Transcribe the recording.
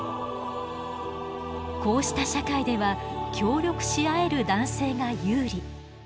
こうした社会では協力し合える男性が有利。